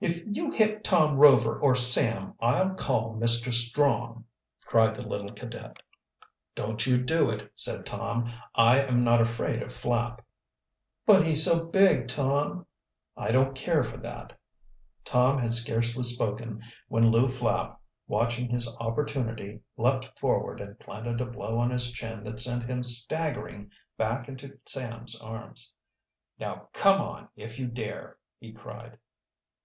"If you hit Tom Rover, or Sam, I'll call Mr. Strong?" cried the little cadet. "Don't you do it," said Tom. "I am not afraid of Flapp." "But he's so big, Tom." "I don't care for that." Tom had scarcely spoken when Lew Flapp, watching his opportunity, leaped forward and planted a blow on his chin that sent him staggering back into Sam's arms. "Now come on, if you dare!" he cried.